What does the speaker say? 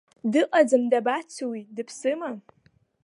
Дыҟаӡам, дабацеи уи, дыԥсыма?